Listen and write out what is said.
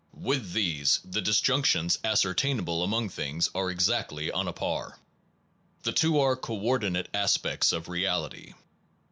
With these the disjunctions ascertainable among things are exactly on a par. The two are co ordinate aspects of reality.